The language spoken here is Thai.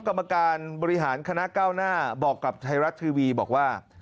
กรรมการบริหารคณะก้าวหน้าบอกกับไทยรัฐทีวีบอกว่า